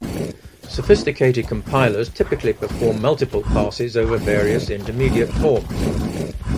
Sophisticated compilers typically perform multiple passes over various intermediate forms.